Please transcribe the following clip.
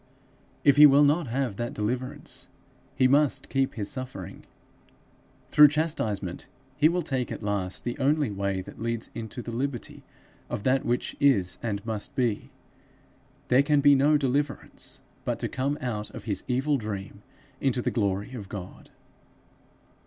If he will not have that deliverance, he must keep his suffering. Through chastisement he will take at last the only way that leads into the liberty of that which is and must be. There can be no deliverance but to come out of his evil dream into the glory of God.